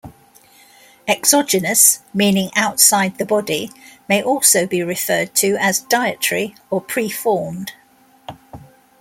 Exogenous, meaning "outside the body", may also be referred to as "dietary" or "pre-formed".